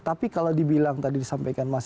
tapi kalau dibilang tadi disampaikan mas